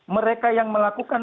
mereka yang melakukan